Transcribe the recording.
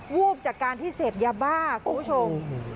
วูบจากการที่เสพยาบ้าคุณผู้ชม